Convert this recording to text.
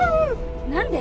何で！？